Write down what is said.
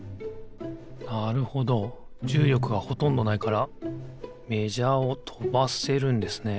なるほどじゅうりょくがほとんどないからメジャーをとばせるんですね。